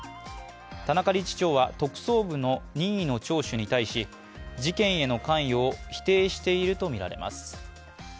田中理事長は特捜部の任意の聴取に対し事件への関与を否定しているとみられます。